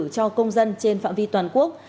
cho công dân trên phạm vi toàn quốc